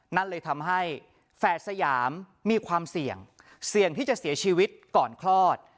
นั่นเลยทำให้แฝดสยามมีความเสี่ยงเสี่ยงที่จะเสียชีวิตก่อนคลอด